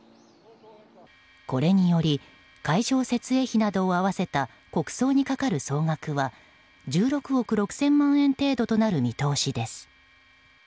これにより会場設営費などを合わせた国葬にかかる総額は１６億６０００万円程度となる見通しです。